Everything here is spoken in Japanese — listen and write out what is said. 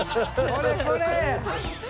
これこれ！